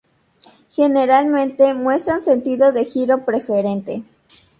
Generalmente muestra un sentido de giro preferente.